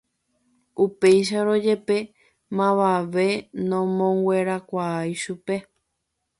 Upéicharõ jepe mavave nomonguerakuaái chupe.